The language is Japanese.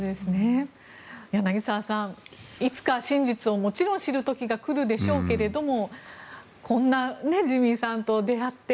柳澤さん、いつか真実をもちろん知る時が来るかもしれませんがこんなジミーさんと出会って。